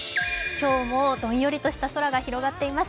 今日もどんよりとした空が広がっています。